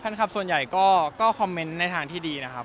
ครับส่วนใหญ่ก็คอมเมนต์ในทางที่ดีนะครับ